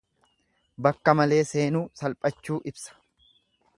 Bakka malee seenuu, salphachuu ibsa.